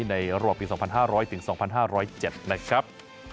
ในระหว่างปี๒๕๐๐ถึง๒๕๐๗นะครับ